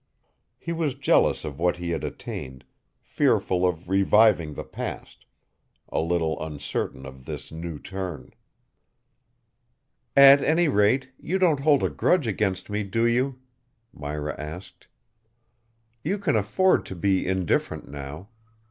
He was jealous of what he had attained, fearful of reviving the past, a little uncertain of this new turn. "At any rate, you don't hold a grudge against me, do you?" Myra asked. "You can afford to be indifferent now.